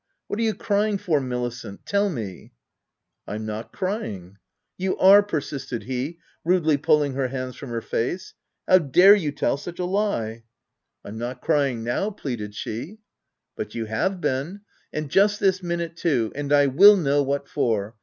" What are you crying for Milicent ? —Tell me!" " I'm not crying." " You are," persisted he, rudely pulling her hands from her face. " How dare you tell such a lie?" 236 THE TENANT * I'm not crying now," pleaded she. " But you have been — and just this minute too ; and I will know what for.